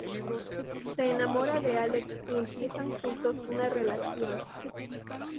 Se enamora de Alex y empiezan juntos una relación.